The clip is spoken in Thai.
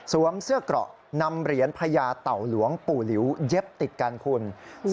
เสื้อเกราะนำเหรียญพญาเต่าหลวงปู่หลิวเย็บติดกันคุณ